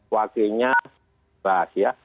wakilnya bahas ya